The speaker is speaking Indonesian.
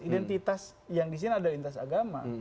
identitas yang disini adalah identitas agama